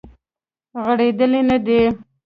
غړیدلې نه دی